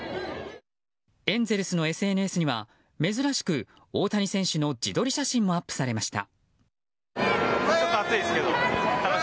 エンゼルスのＳＮＳには珍しく大谷選手の自撮り写真もアップされました。